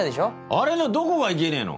あれのどこがいけねえの？